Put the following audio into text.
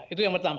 itu yang pertama